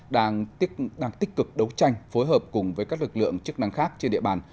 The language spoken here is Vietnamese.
đang tích cực đấu tranh phối hợp cùng với các lực lượng chức năng khác trên địa bàn